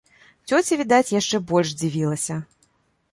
Цёця, відаць, яшчэ больш дзівілася.